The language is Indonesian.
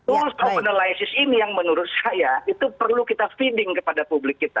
urus openalisis ini yang menurut saya itu perlu kita feeding kepada publik kita